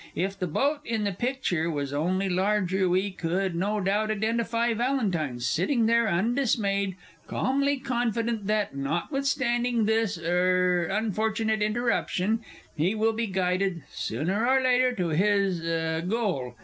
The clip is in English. If the boat in the picture was only larger, we could no doubt identify Valentine, sitting there undismayed, calmly confident that, notwithstanding this er unfortunate interruption, he will be guided, sooner or later, to his er goal.